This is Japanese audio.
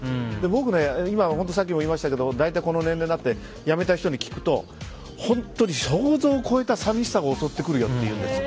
僕、さっきも言いましたが大体、この年齢になって辞めた人に聞くと本当に想像を超えた寂しさが襲ってくるというんです。